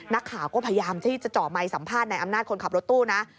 นักข่าวก็พยายามที่จะเจาะไมค์สัมภาษณ์ในอำนาจคนขับรถตู้นะ